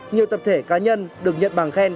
nhiều tập thể cá nhân được nhận bằng khen